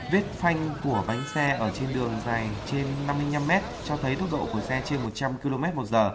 vết phanh của bánh xe ở trên đường dài trên năm mươi năm m cho thấy tốc độ của xe trên một trăm linh kmh